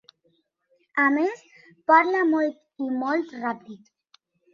A més, parla molt i molt ràpid.